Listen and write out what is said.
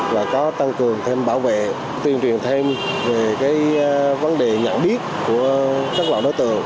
và có tăng cường thêm bảo vệ tuyên truyền thêm về vấn đề nhận biết của các loại đối tượng